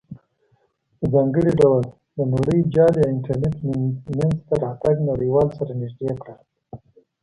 په ځانګړې ډول د نړیجال یا انټرنیټ مینځ ته راتګ نړیوال سره نزدې کړل.